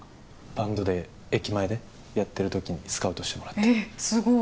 バンドで駅前でやってる時にスカウトしてもらってえっ